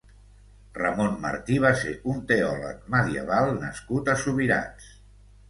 Ramon Martí va ser un teòleg medieval nascut a Subirats.